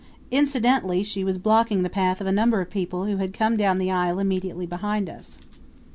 Incidentally she was blocking the path of a number of people who had come down the aisle immediately behind us.